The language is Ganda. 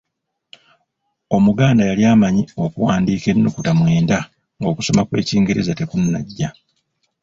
Omuganda yali amanyi okuwandiika ennukuta mwenda ng’okusoma kw’ekingereza tekunnajja!